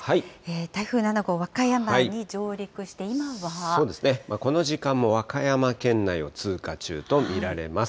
台風７号、和歌山に上陸して、今そうですね、この時間も和歌山県内を通過中と見られます。